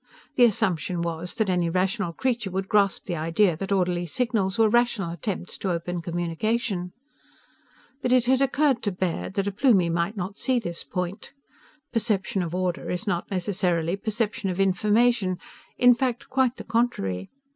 The assumption was that any rational creature would grasp the idea that orderly signals were rational attempts to open communication. But it had occurred to Baird that a Plumie might not see this point. Perception of order is not necessarily perception of information in fact, quite the contrary.